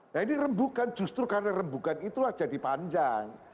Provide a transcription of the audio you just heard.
nah ini rebukan justru karena rebukan itulah jadi panjang